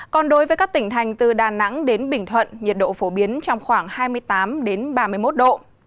còn đối với các tỉnh thành từ đà nẵng đến bình thuận nhiệt độ phổ biến trong khoảng hai mươi tám ba mươi một độ